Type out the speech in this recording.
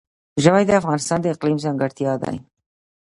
ژمی د افغانستان د اقلیم ځانګړتیا ده.